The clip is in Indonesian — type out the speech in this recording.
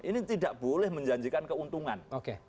ini tidak boleh menjanjikan keuntungan